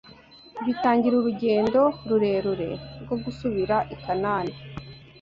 batangira urugendo rurerure rwo gusubira i Kanani